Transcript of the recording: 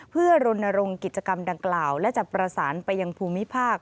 เพื่อรณรงค์กิจกรรมดังกล่าวและจะประสานไปยังภูมิภาค